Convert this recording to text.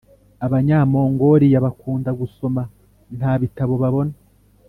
Abanyamongoliya bakunda gusoma nta bitabo babona